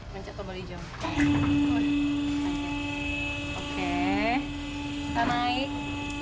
mas rudy ini diminta naik sama mas rudy